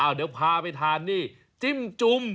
เดี๋ยวพาไปทานนี่จิ้มจุ่ม